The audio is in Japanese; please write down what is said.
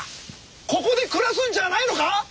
ここで暮らすんじゃないのか？